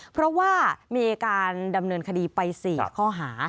เพราะว่ามีการดำเนินคดีไป๔ข้อหา